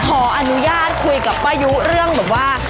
ขออนุญาตคุยกับป้ายุเรื่องแบบว่า